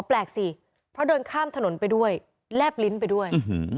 แปลกสิเพราะเดินข้ามถนนไปด้วยแลบลิ้นไปด้วย